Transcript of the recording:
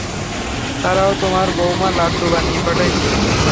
তারাও তোমার বৌমা লাড্ডু বানিয়ে পাঠাইছে।